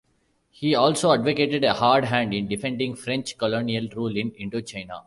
He also advocated a hard hand in defending French colonial rule in Indochina.